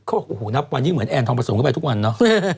บอกโอ้โหนับวันนี้เหมือนแอนทองผสมเข้าไปทุกวันเนอะ